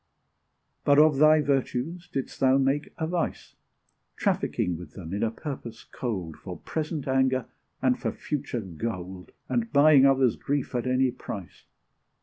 But of thy virtues didst thou make a vice, Trafficking with them in a purpose cold, For present anger, and for future gold And buying others' grief at any price.